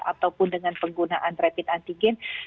ataupun dengan penggunaan rapid antigen